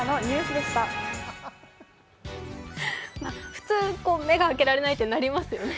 普通、目が開けられないってなりますよね。